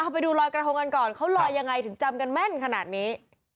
ไปดูลอยกระทงกันก่อนเขาลอยยังไงถึงจำกันแม่นขนาดนี้